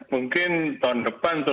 mungkin tahun depan tuh